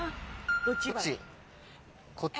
どっち？